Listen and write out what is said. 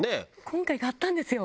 今回買ったんですよ。